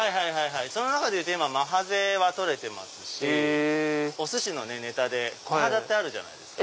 その中で言うとマハゼは取れてますしおすしのネタでコハダってあるじゃないですか。